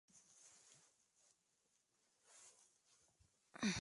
Una importante novedad se produjo respecto a la edición anterior.